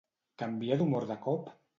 Canvia d'humor de cop?